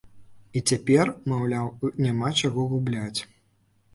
І цяпер, маўляў, няма чаго губляць.